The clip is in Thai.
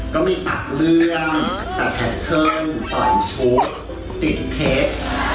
ก็มีตัดเรื่องตัดแท็กเทิร์นต่อนชุบติดเพชร